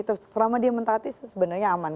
terus selama dia mentah hati sebenarnya aman